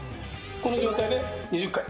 この状態で２０回。